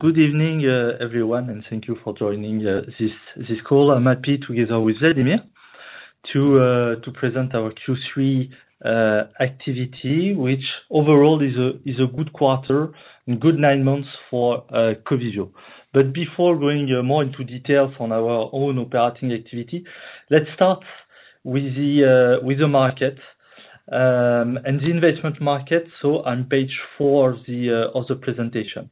Good evening, everyone, and thank you for joining this call. I'm happy together with Vladimir to present our Q3 activity, which overall is a good quarter and good nine months for Covivio. Before going more into details on our own operating activity, let's start with the market and the investment market. On page four of the presentation.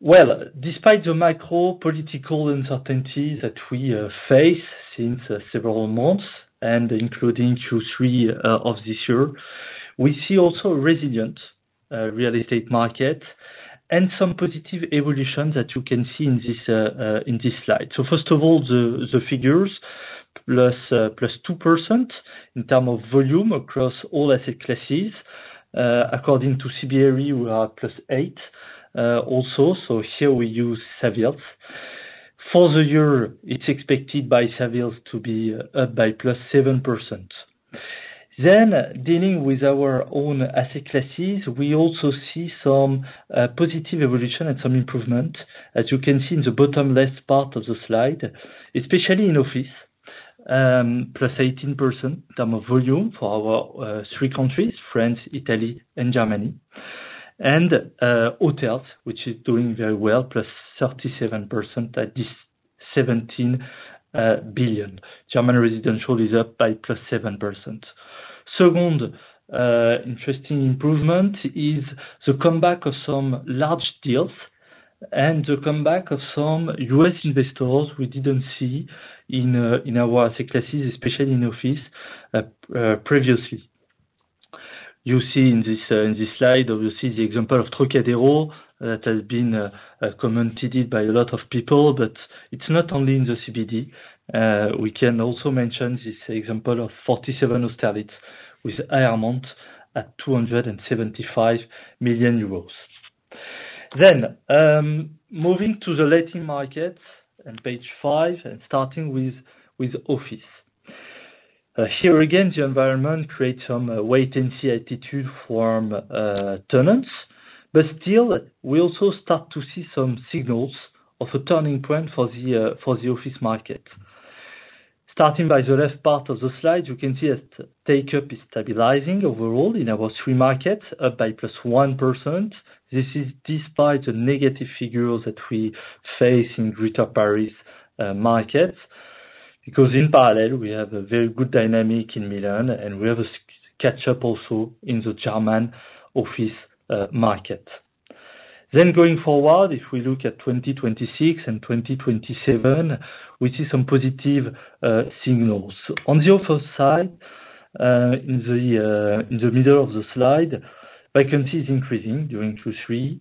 Well, despite the macro political uncertainty that we face since several months and including Q3 of this year, we see also resilient real estate market and some positive evolution that you can see in this slide. First of all, the figures +2% in terms of volume across all asset classes. According to CBRE, we are +8% also. Here we use Savills. For the year, it's expected by Savills to be up by +7%. Dealing with our own asset classes, we also see some positive evolution and some improvement, as you can see in the bottom left part of the slide, especially in office, +18% in terms of volume for our three countries, France, Italy and Germany. Hotels, which is doing very well, +37%, that is 17 billion. German residential is up by +7%. Second interesting improvement is the comeback of some large deals and the comeback of some U.S. investors we didn't see in our asset classes, especially in office, previously. You see in this slide, obviously, the example of Trocadéro that has been commented by a lot of people, but it's not only in the CBD. We can also mention this example of 47 hotellets with Aermont at EUR 275 million. Moving to the letting market on page five and starting with office. Here again, the environment creates some wait and see attitude from tenants, but still, we also start to see some signals of a turning point for the office market. Starting by the left part of the slide, you can see that take-up is stabilizing overall in our three markets, up by +1%. This is despite the negative figures that we face in greater Paris markets. In parallel, we have a very good dynamic in Milan, and we have a catch-up also in the German office market. Going forward, if we look at 2026 and 2026, we see some positive signals. On the offer side, in the middle of the slide, vacancy is increasing during Q3,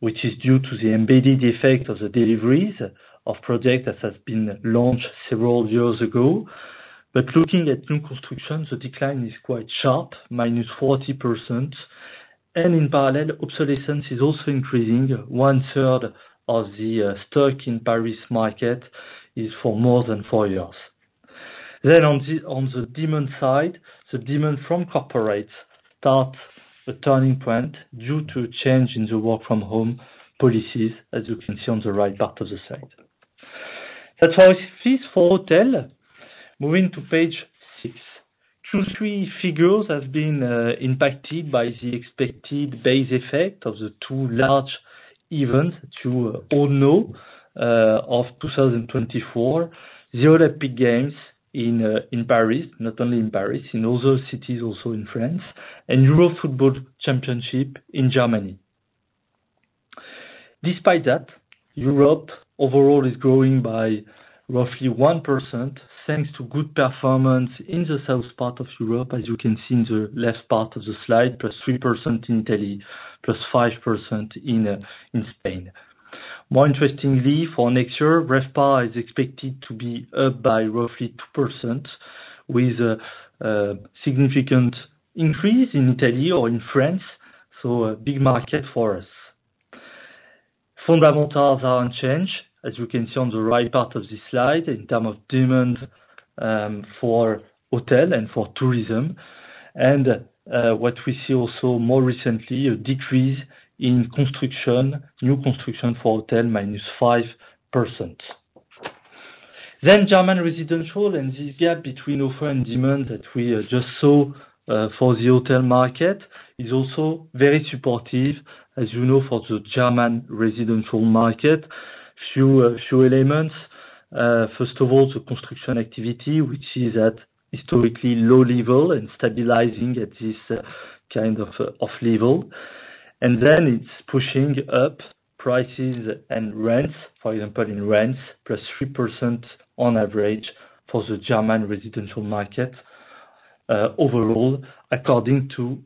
which is due to the embedded effect of the deliveries of projects that has been launched several years ago. Looking at new construction, the decline is quite sharp, -40%. In parallel, obsolescence is also increasing. One third of the stock in Paris market is for more than four years. On the demand side, the demand from corporates starts a turning point due to change in the work from home policies, as you can see on the right part of the slide. That was office. For hotel, moving to page six. Q3 figures have been impacted by the expected base effect of the two large events you all know of 2024, the Olympic Games in Paris, not only in Paris, in other cities also in France, and Euro Football Championship in Germany. Despite that, Europe overall is growing by roughly 1% thanks to good performance in the south part of Europe as you can see in the left part of the slide, +3% in Italy, +5% in Spain. More interestingly, for next year, RevPAR is expected to be up by roughly 2% with a significant increase in Italy or in France. A big market for us. Fundamentals are unchanged, as you can see on the right part of this slide in terms of demand for hotel and for tourism, and what we see also more recently, a decrease in construction, new construction for hotel, -5%. German residential and this gap between offer and demand that we just saw for the hotel market is also very supportive, as you know, for the German residential market. Few elements. First of all, the construction activity, which is at historically low level and stabilizing at this kind of off level. It's pushing up prices and rents, for example, in rents, +3% on average for the German residential market overall, according to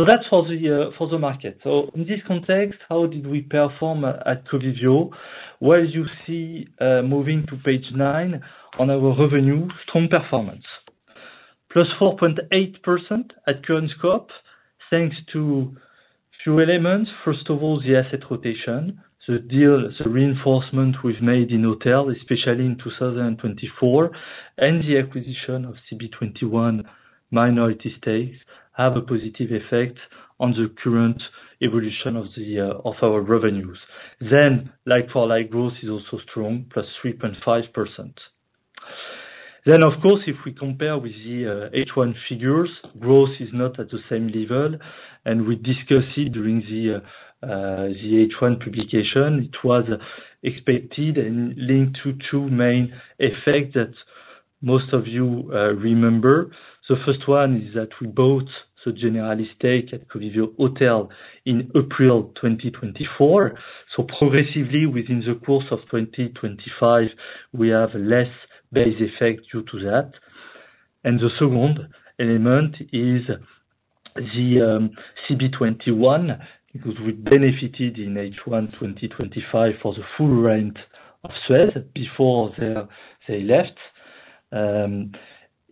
ImmoScout. That's for the market. In this context, how did we perform at Covivio? Well, as you see, moving to page nine on our revenue, strong performance. +4.8% at current scope, thanks to few elements. First of all, the asset rotation. The deal, the reinforcement we've made in hotel, especially in 2024, and the acquisition of CB21 minority stakes have a positive effect on the current evolution of our revenues. like-for-like growth is also strong, +3.5%. Of course, if we compare with the H1 figures, growth is not at the same level, and we discuss it during the H1 publication. It was expected and linked to two main effects that most of you remember. First one is that we bought the Generali stake at Covivio Hotels in April 2024. Progressively within the course of 2025, we have less base effect due to that. The second element is the CB21, because we benefited in H1 2025 for the full rent of SUEZ before they left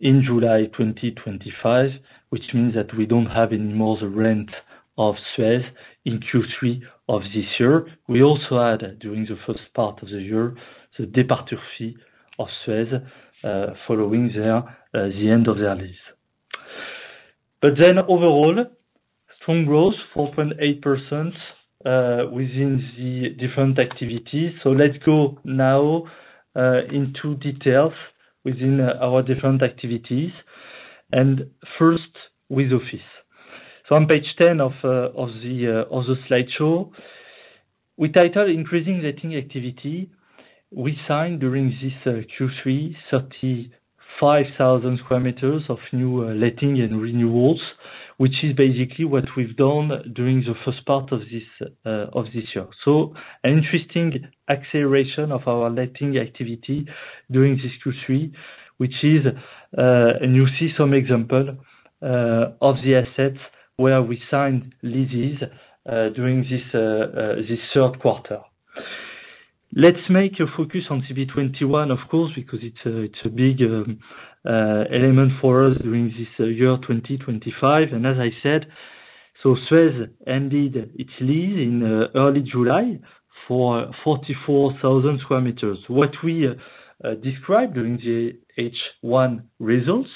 in July 2025, which means that we don't have any more the rent of SUEZ in Q3 of this year. We also had, during the first part of the year, the departure fee of SUEZ following the end of their lease. Overall, strong growth, 4.8% within the different activities. Let's go now into details within our different activities. First with office. On page 10 of the slideshow, we title increasing letting activity. We signed during this Q3 35,000 sq m of new letting and renewals, which is basically what we've done during the first part of this year. An interesting acceleration of our letting activity during this Q3, which is, and you see some example of the assets where we signed leases during this third quarter. Let's make a focus on CB21, of course, because it's a big element for us during this year 2025. As I said, SUEZ ended its lease in early July for 44,000 sq m. What we described during the H1 results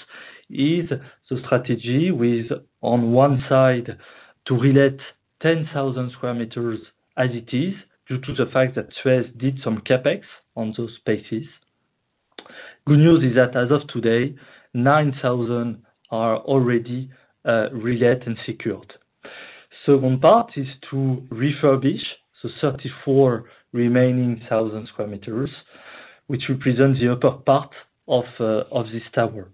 is the strategy with, on one side, to relet 10,000 sq m as it is due to the fact that SUEZ did some CapEx on those spaces. Good news is that as of today, 9,000 are already relet and secured. Second part is to refurbish the 34,000 remaining sq m, which represents the upper part of this tower.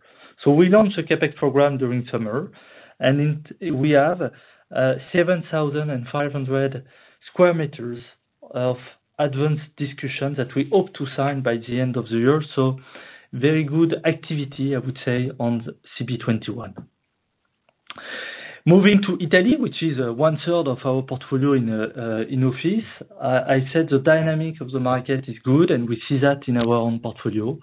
We launched a CapEx program during summer, and we have 7,500 sq m of advanced discussions that we hope to sign by the end of the year. Very good activity, I would say, on CB21. Moving to Italy, which is one-third of our portfolio in office. I said the dynamic of the market is good, and we see that in our own portfolio,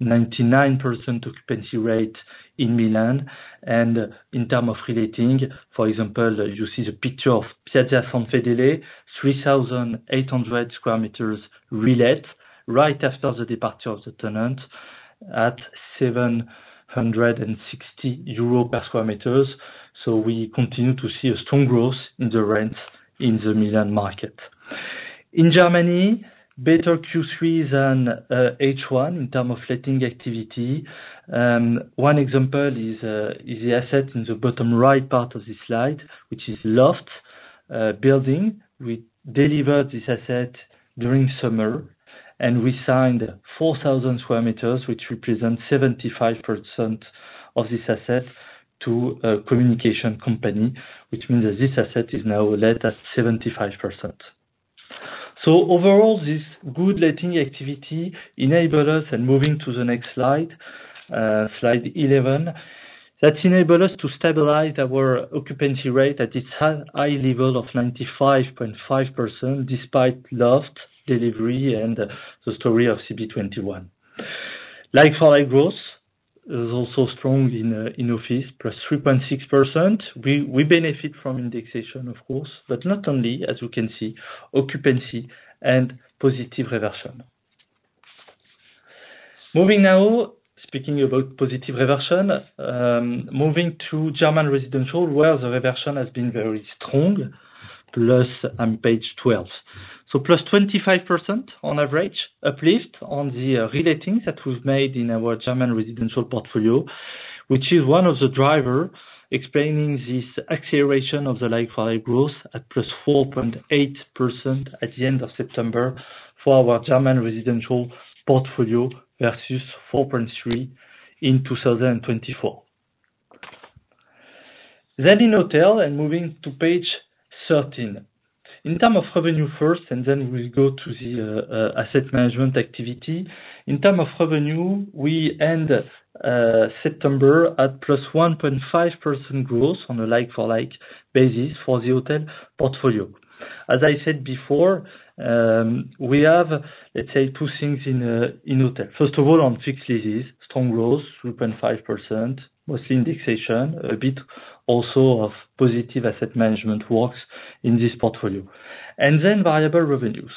99% occupancy rate in Milan. In term of relating, for example, you see the picture of Piazza San Fedele, 3,800 sq m relet right after the departure of the tenant at 760 euro per sq m. We continue to see a strong growth in the rents in the Milan market. In Germany, better Q3 than H1 in term of letting activity. One example is the asset in the bottom right part of this slide, which is LOFT building. We delivered this asset during summer, and we signed 4,000 sq m, which represents 75% of this asset to a communication company, which means that this asset is now let at 75%. Overall, this good letting activity enabled us, and moving to the next slide 11, to stabilize our occupancy rate at its high level of 95.5%, despite lost delivery and the story of CB21. Like-for-like growth is also strong in office, +3.6%. We benefit from indexation, of course, but not only, as you can see, occupancy and positive reversion. Moving now, speaking about positive reversion, moving to German residential, where the reversion has been very strong. I am on page 12. +25% on average uplift on the relatings that we've made in our German residential portfolio, which is one of the driver explaining this acceleration of the like-for-like growth at +4.8% at the end of September for our German residential portfolio versus 4.3% in 2024. In hotel and moving to page 13. In term of revenue first, then we will go to the asset management activity. In term of revenue, we end September at +1.5% growth on a like-for-like basis for the hotel portfolio. As I said before, we have, let's say, two things in hotel. First of all, on fixed leases, strong growth, 3.5%, mostly indexation, a bit also of positive asset management works in this portfolio. Variable revenues.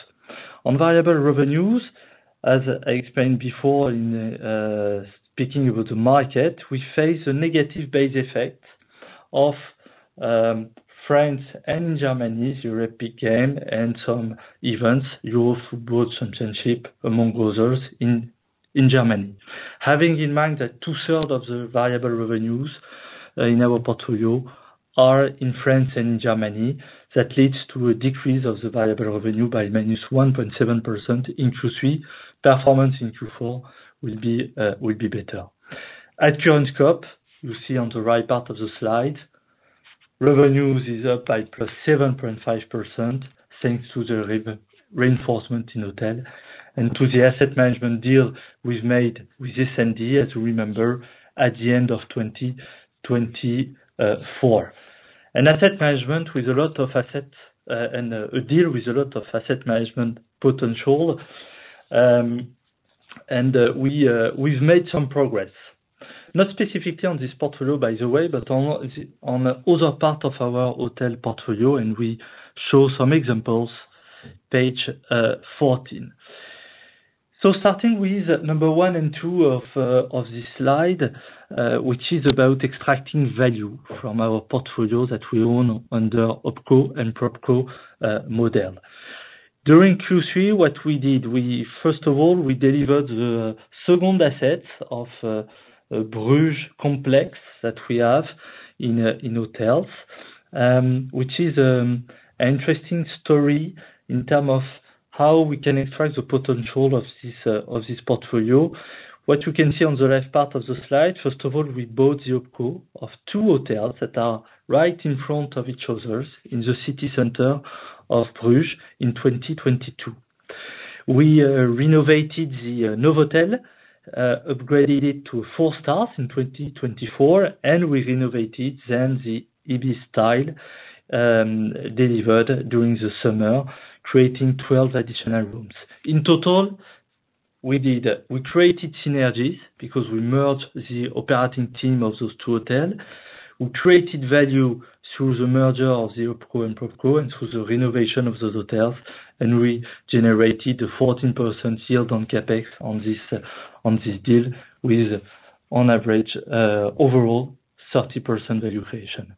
On variable revenues, as I explained before in speaking about the market, we face a negative base effect of France and Germany's European game and some events, Euro Football Championship, among others, in Germany. Having in mind that two-third of the variable revenues in our portfolio are in France and Germany, that leads to a decrease of the variable revenue by -1.7% in Q3. Performance in Q4 will be better. At current scope, you see on the right part of the slide, revenues is up by +7.5%, thanks to the reinforcement in hotel and to the asset management deal we've made with S&A, as you remember, at the end of 2024. An asset management with a lot of asset and a deal with a lot of asset management potential. We've made some progress, not specifically on this portfolio, by the way, but on other part of our hotel portfolio, and we show some examples page 14. Starting with number one and two of this slide, which is about extracting value from our portfolio that we own under Opco and Propco model. During Q3, what we did, first of all, we delivered the second assets of Bruges complex that we have in hotels, which is an interesting story in term of how we can extract the potential of this portfolio. What you can see on the left part of the slide, first of all, we bought the Opco of two hotels that are right in front of each others in the city center of Bruges in 2022. We renovated the Novotel, upgraded it to four stars in 2024. We've renovated then the ibis Styles delivered during the summer, creating 12 additional rooms. In total, we created synergies because we merged the operating team of those two hotel. We created value through the merger of the Opco and Propco and through the renovation of those hotels, and we generated a 14% yield on CapEx on this deal with on average, overall 30% valuation.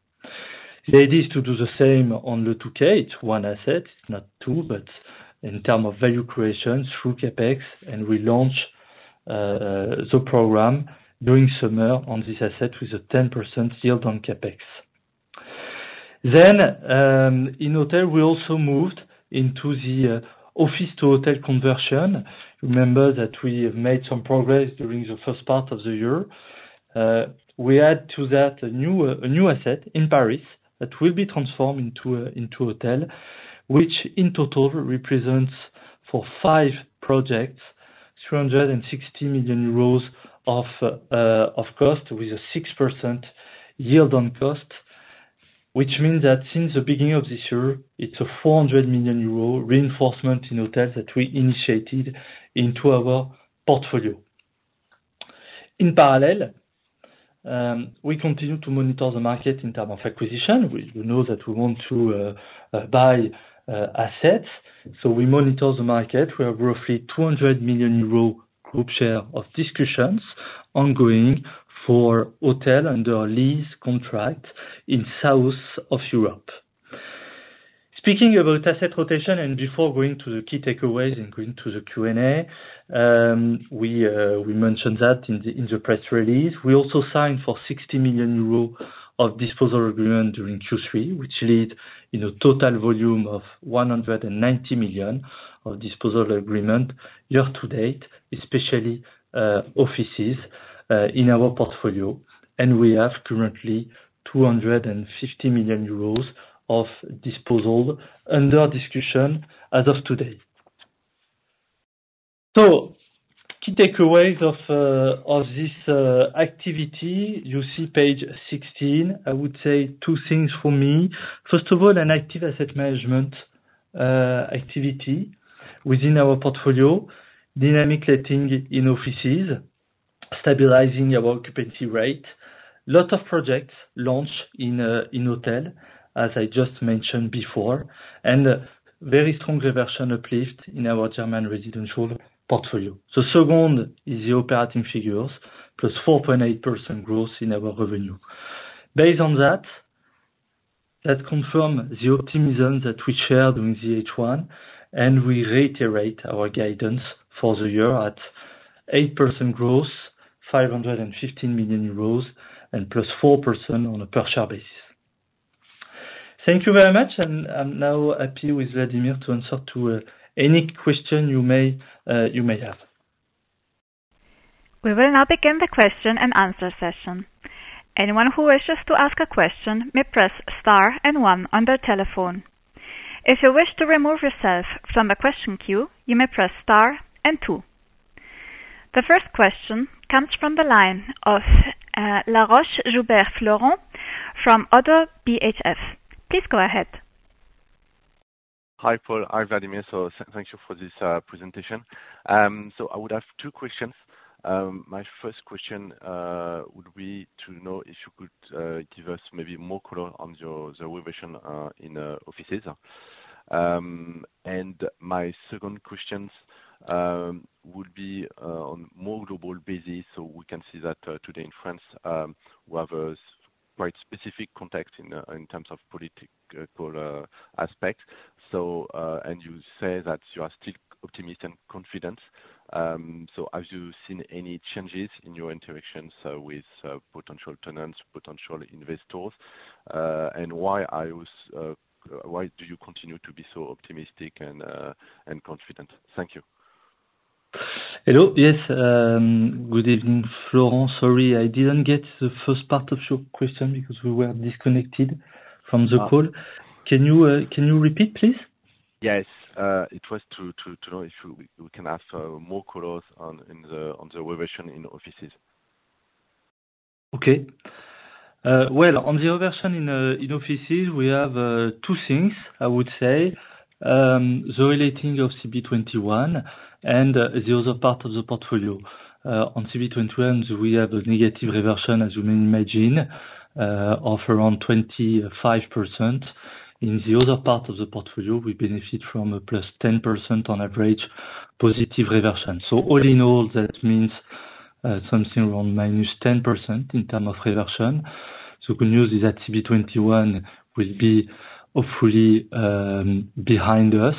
The idea is to do the same on Le Touquet. It's one asset, it's not two, but in term of value creation through CapEx, and we launch the program during summer on this asset with a 10% yield on CapEx. In hotel, we also moved into the office-to-hotel conversion. Remember that we have made some progress during the first part of the year. We add to that a new asset in Paris that will be transformed into hotel, which in total represents for five projects, 360 million euros of cost with a 6% yield on cost, which means that since the beginning of this year, it's a 400 million euro reinforcement in hotels that we initiated into our portfolio. In parallel, we continue to monitor the market in term of acquisition. You know that we want to buy assets, so we monitor the market. We have roughly 200 million euro group share of discussions ongoing for hotel under a lease contract in south of Europe. Speaking about asset rotation and before going to the key takeaways and going to the Q&A, we mentioned that in the press release. We also signed for 60 million euros of disposal agreement during Q3, which lead in a total volume of 190 million of disposal agreement year to date, especially, offices, in our portfolio. We have currently 250 million euros of disposal under discussion as of today. Key takeaways of this activity, you see page 16, I would say two things for me. First of all, an active asset management activity within our portfolio, dynamic letting in offices, stabilizing our occupancy rate. Lot of projects launched in hotel, as I just mentioned before, and very strong reversion uplift in our German residential portfolio. The second is the operating figures, +4.8% growth in our revenue. Based on that confirm the optimism that we share during the H1. We reiterate our guidance for the year at 8% growth, 515 million euros and +4% on a per share basis. Thank you very much. I am now happy with Vladimir to answer to any question you may have. We will now begin the question and answer session. Anyone who wishes to ask a question may press star and one on their telephone. If you wish to remove yourself from the question queue, you may press star and two. The first question comes from the line of Florent Laroche-Joubert from Oddo BHF. Please go ahead. Hi, Paul. Hi, Vladimir. Thank you for this presentation. I would have two questions. My first question would be to know if you could give us maybe more color on the reversion in offices. My second question would be on more global basis. We can see that today in France, we have a quite specific context in terms of political aspect. You say that you are still optimistic and confident. Have you seen any changes in your interactions with potential tenants, potential investors? Why do you continue to be so optimistic and confident? Thank you. Hello. Yes, good evening, Florent. Sorry, I did not get the first part of your question because we were disconnected from the call. Can you repeat, please? Yes. It was to know if we can have more color on the reversion in offices. Okay. Well, on the reversion in offices, we have two things, I would say. The relating of CB21 and the other part of the portfolio. On CB21, we have a negative reversion, as you may imagine, of around 25%. In the other part of the portfolio, we benefit from a plus 10% on average positive reversion. All in all, that means something around minus 10% in terms of reversion. Good news is that CB21 will be hopefully behind us,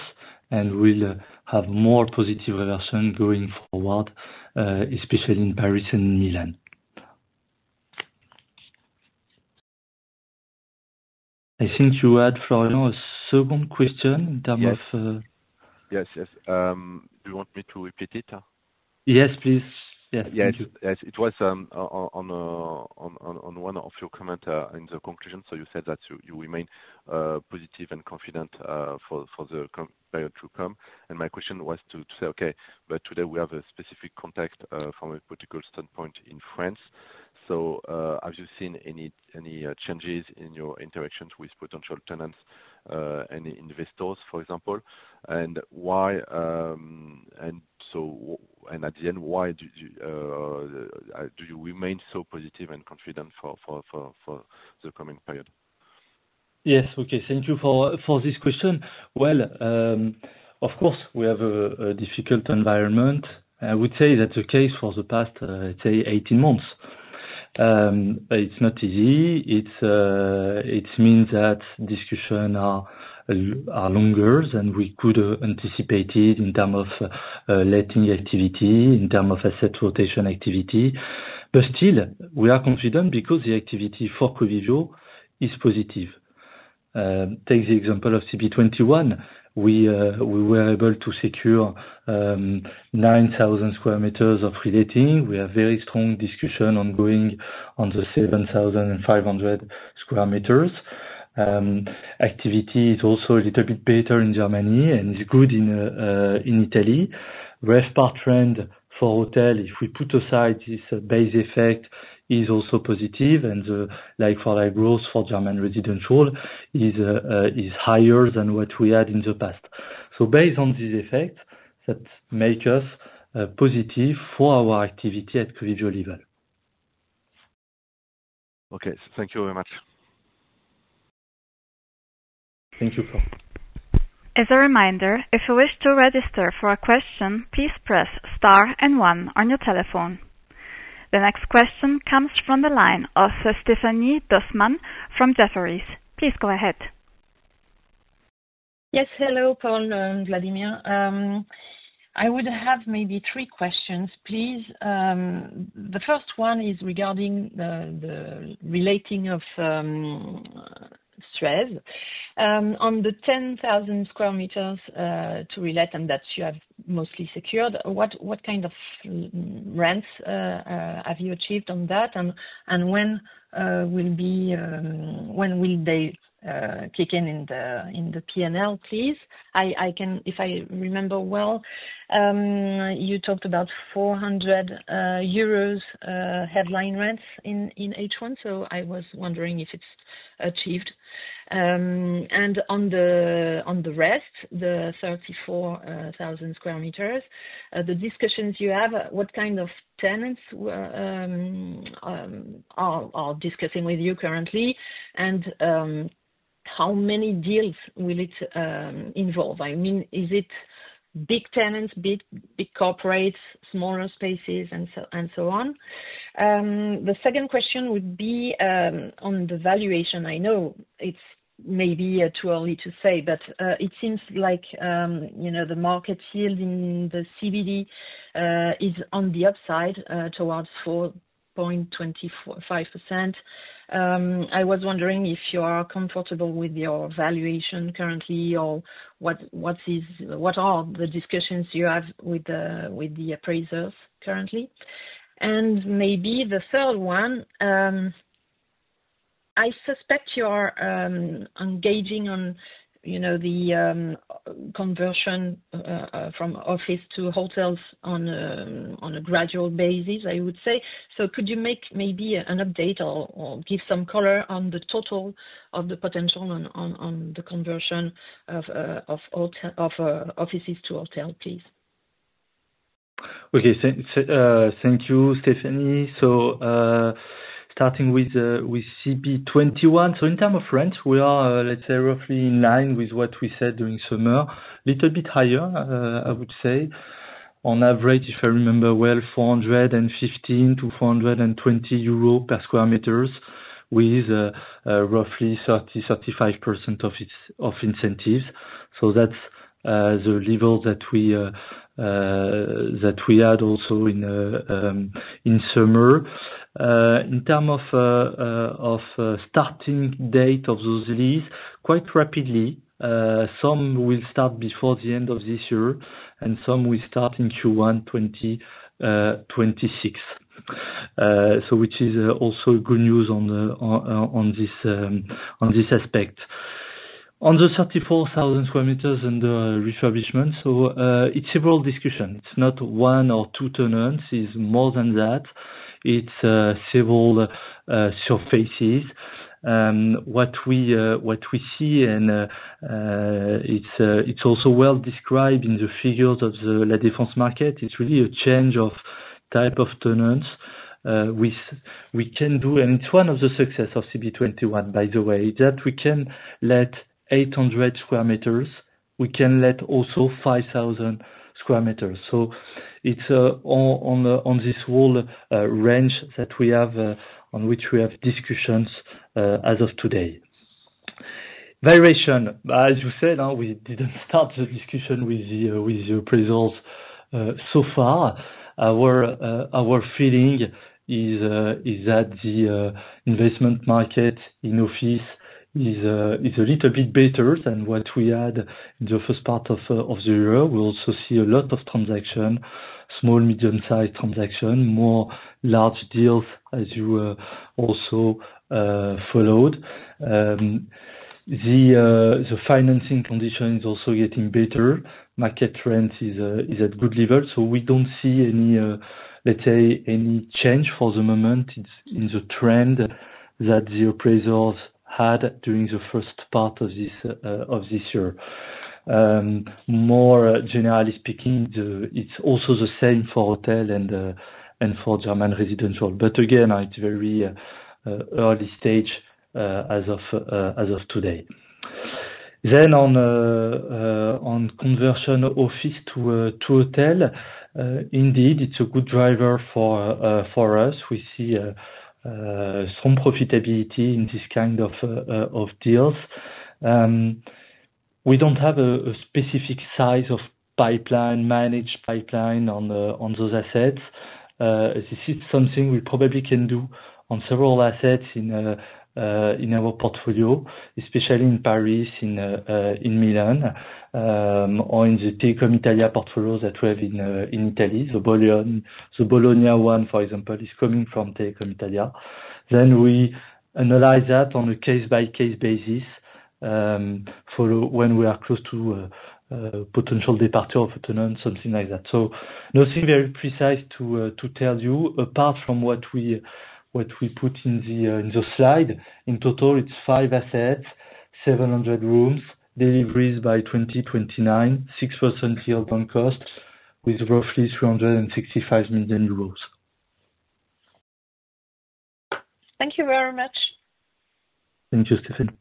and we will have more positive reversion going forward, especially in Paris and Milan. I think you had, Florent, a second question. Yes. Do you want me to repeat it? Yes, please. Yeah. Thank you. Yes. It was on one of your comment in the conclusion. You said that you remain positive and confident for the period to come. My question was to say, okay, today we have a specific context from a political standpoint in France. Have you seen any changes in your interactions with potential tenants, any investors, for example? At the end, why do you remain so positive and confident for the coming period? Yes. Okay. Thank you for this question. Well, of course, we have a difficult environment. I would say that's the case for the past, let's say, 18 months. It's not easy. It means that discussions are longer than we could have anticipated in terms of letting activity, in terms of asset rotation activity. Still, we are confident because the activity for Covivio is positive. Take the example of CB21. We were able to secure 9,000 sq m of reletting. We have very strong discussion ongoing on the 7,500 sq m. Activity is also a little bit better in Germany and good in Italy. RevPAR trend for hotel, if we put aside this base effect, is also positive and the like-for-like growth for German residential is higher than what we had in the past. Based on these effects, that make us positive for our activity at Covivio level. Okay. Thank you very much. Thank you, Florent. As a reminder, if you wish to register for a question, please press star one on your telephone. The next question comes from the line of Stéphanie Dossmann from Jefferies. Please go ahead. Yes. Hello, Paul and Vladimir. I would have maybe three questions, please. The first one is regarding the relating of CB21. On the 10,000 sq m to relet and that you have mostly secured, what kind of rents have you achieved on that, and when will they kick in in the P&L, please? If I remember well, you talked about 400 euros headline rents in H1, so I was wondering if it's achieved. On the rest, the 34,000 sq m, the discussions you have, what kind of tenants are discussing with you currently, and how many deals will it involve? I mean, is it big tenants, big corporates, smaller spaces, and so on? The second question would be on the valuation. I know it's maybe too early to say, but it seems like the market yield in the CBD is on the upside towards 4.25%. I was wondering if you are comfortable with your valuation currently, or what are the discussions you have with the appraisers currently? Maybe the third one, I suspect you are engaging on the conversion from office to hotels on a gradual basis, I would say. Could you make maybe an update or give some color on the total of the potential on the conversion of offices to hotel, please? Okay. Thank you, Stephanie. Starting with CB21. In terms of rent, we are, let's say roughly in line with what we said during summer, little bit higher, I would say. On average, if I remember well, 415 to 420 euros per sq m with roughly 30%-35% of incentives. That's the level that we had also in summer. In term of starting date of those lease, quite rapidly. Some will start before the end of this year, and some will start in Q1 2026. Which is also good news on this aspect. On the 34,000 sq m and the refurbishment. It's several discussions, not one or two tenants. It's more than that. It's several surfaces. What we see, and it's also well described in the figures of the La Défense market. It's really a change of type of tenants. We can do, it's one of the success of CB21, by the way, that we can let 800 sq m. We can let also 5,000 sq m. It's on this whole range that we have, on which we have discussions, as of today. Valuation. As you said, we didn't start the discussion with the appraisals. Our feeling is that the investment market in office is a little bit better than what we had in the first part of the year. We also see a lot of transaction, small-medium-size transaction, more large deals as you also followed. The financing condition is also getting better. Market trend is at good level. We don't see any, let's say, any change for the moment in the trend that the appraisals had during the first part of this year. More generally speaking, it's also the same for hotel and for German residential. Again, it's very early stage as of today. On conversion office to hotel. Indeed, it's a good driver for us. We see some profitability in this kind of deals. We don't have a specific size of pipeline, managed pipeline on those assets. This is something we probably can do on several assets in our portfolio, especially in Paris, in Milan, or in the Telecom Italia portfolio that we have in Italy. The Bologna one, for example, is coming from Telecom Italia. We analyze that on a case-by-case basis, for when we are close to potential departure of tenant, something like that. Nothing very precise to tell you apart from what we put in the slide. In total, it's five assets, 700 rooms, deliveries by 2029, 6% yield on cost with roughly 365 million euros. Thank you very much. Thank you, Stéphanie.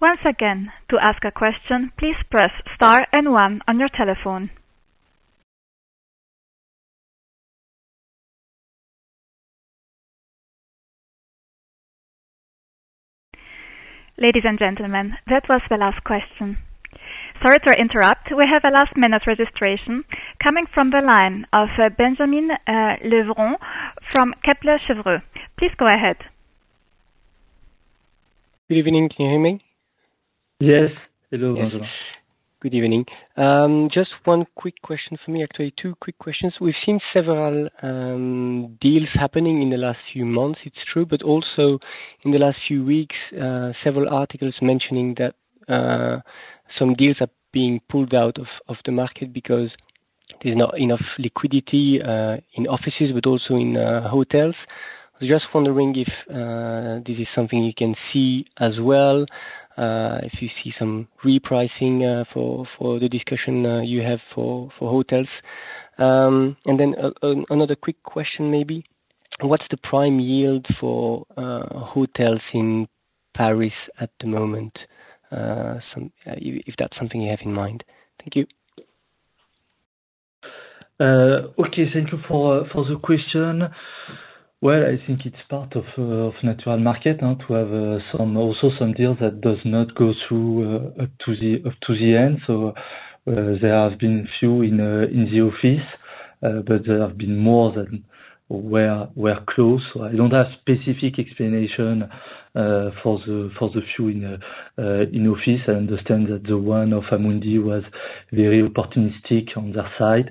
Once again, to ask a question, please press star and one on your telephone. Ladies and gentlemen, that was the last question. Sorry to interrupt. We have a last-minute registration coming from the line of Benjamin Levrons from Kepler Cheuvreux. Please go ahead. Good evening. Can you hear me? Yes. Hello, Benjamin. Good evening. Just one quick question for me. Actually, two quick questions. We've seen several deals happening in the last few months, it's true, but also in the last few weeks, several articles mentioning that some deals are being pulled out of the market because there's not enough liquidity, in offices, but also in hotels. I was just wondering if this is something you can see as well, if you see some repricing for the discussion you have for hotels. Another quick question maybe. What's the prime yield for hotels in Paris at the moment? If that's something you have in mind. Thank you. Okay. Thank you for the question. Well, I think it's part of natural market to have also some deals that does not go through to the end. There have been few in the office, but there have been more that were close. I don't have specific explanation for the few in office. I understand that the one of Amundi was very opportunistic on their side.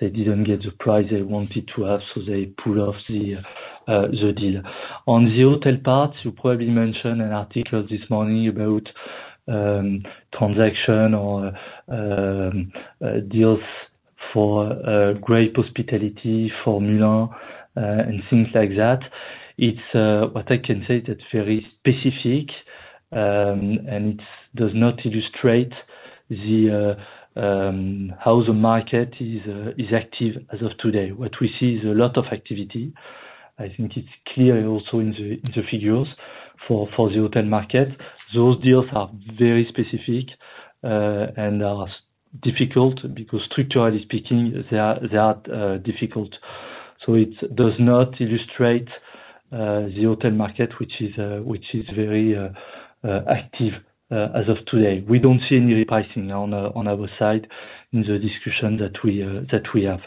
They didn't get the price they wanted to have, they pull off the deal. On the hotel part, you probably mentioned an article this morning about transaction or deals for Invest Hospitality for Milan, and things like that. What I can say that's very specific, and it does not illustrate how the market is active as of today. What we see is a lot of activity. I think it's clear also in the figures for the hotel market. Those deals are very specific and are difficult because structurally speaking, they are difficult. It does not illustrate the hotel market, which is very active as of today. We don't see any repricing on our side in the discussion that we have.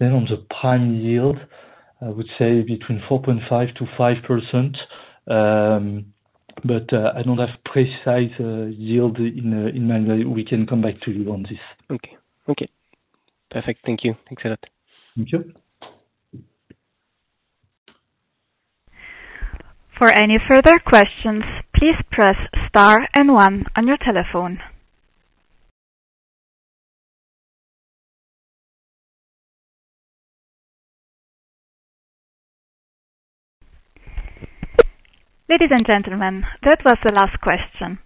On the prime yield, I would say between 4.5% to 5%, but I don't have precise yield in mind. We can come back to you on this. Okay. Perfect. Thank you. Thanks a lot. Thank you. For any further questions, please press star and one on your telephone. Ladies and gentlemen, that was the last question.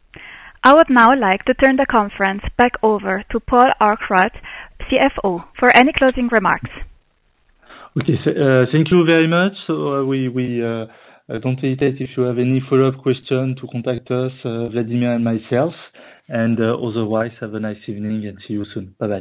I would now like to turn the conference back over to Paul Arkwright, CFO, for any closing remarks. Okay. Thank you very much. Don't hesitate if you have any follow-up question to contact us, Vladimir and myself. Otherwise, have a nice evening and see you soon. Bye-bye.